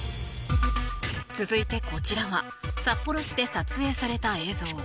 続いて、こちらは札幌市で撮影された映像。